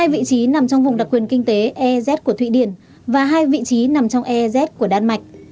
hai vị trí nằm trong vùng đặc quyền kinh tế ez của thụy điển và hai vị trí nằm trong ez của đan mạch